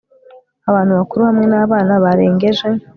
abantu bakuru hamwe n'abana barengeje